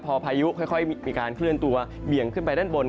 พอพายุค่อยมีการเคลื่อนตัวเบี่ยงขึ้นไปด้านบน